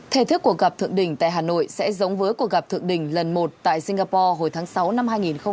thể thức cuộc gặp thượng đỉnh tại hà nội sẽ giống với cuộc gặp thượng đỉnh lần một tại singapore hồi tháng sáu năm hai nghìn hai mươi